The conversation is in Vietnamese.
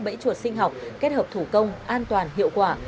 bẫy chuột sinh học kết hợp thủ công an toàn hiệu quả